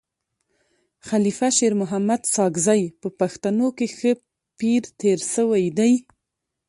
خلیفه شیرمحمد ساکزی په پښتنو کي ښه پير تير سوی دی.